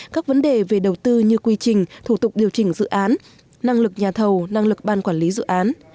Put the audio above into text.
các vấn đề về đầu tư như quy trình thủ tục điều chỉnh dự án năng lực nhà thầu năng lực ban quản lý dự án